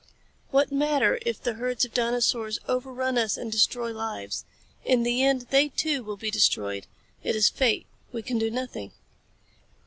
What matter if the herds of dinosaurs overrun us and destroy lives? In the end they, too, will be destroyed. It is fate. We can do nothing."